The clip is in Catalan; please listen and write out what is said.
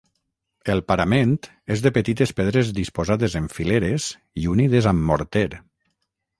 El parament és de petites pedres disposades en fileres i unides amb morter.